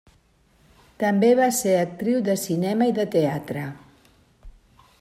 També va ser actriu de cinema i de teatre.